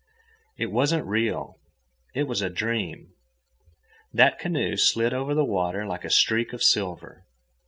It wasn't real. It was a dream. That canoe slid over the water like a streak of silver.